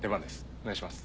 お願いします。